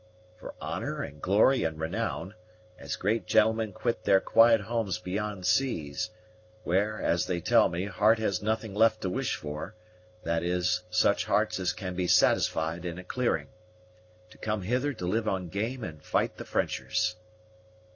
"For honor and glory and renown, as great gentlemen quit their quiet homes beyond seas where, as they tell me, heart has nothing left to wish for; that is, such hearts as can be satisfied in a clearing to come hither to live on game and fight the Frenchers."